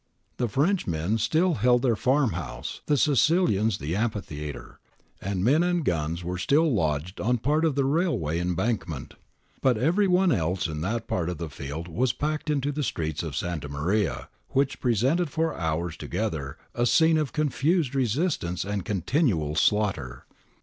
The Frenchmen still held their farm house, the Sicilians the amphitheatre, and men and guns were still lodged on part of the railway embankment. But every one else in that part of the field was packed into the streets of Santa Maria, which presented for hours to gether a scene of confused resistance and continual slaughter.